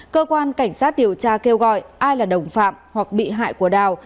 cơ quan cảnh sát điều tra kêu gọi ai là đồng phạm hoặc bị hại của đào